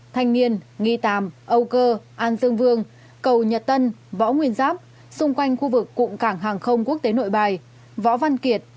thanh niên nghi tàm âu cơ an dương vương cầu nhật tân võ nguyên giáp xung quanh khu vực cụm cảng hàng không quốc tế nội bài võ văn kiệt